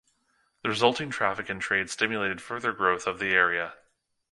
The resulting traffic and trade stimulated further growth of the area.